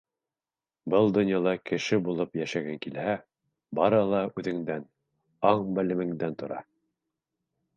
Был донъяла кеше булып йәшәгең килһә, барыһы ла үҙеңдән, аң-белемеңдән тора.